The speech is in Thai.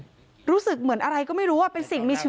เป็นพระรูปนี้เหมือนเคี้ยวเหมือนกำลังทำปากขมิบท่องกระถาอะไรสักอย่าง